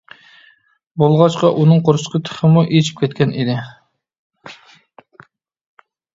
بولغاچقا ئۇنىڭ قورسىقى تېخىمۇ ئېچىپ كەتكەن ئىدى.